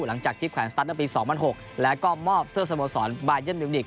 หลังจากที่แขวนสตัสในปี๒๐๐๖แล้วก็มอบเสื้อสโมสรบายันมิวนิก